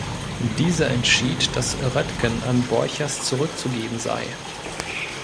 Dieser entschied, dass Röttgen an Borchers zurückzugeben sei.